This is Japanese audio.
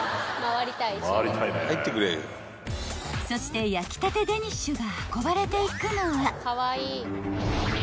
［そして焼きたてデニッシュが運ばれていくのは］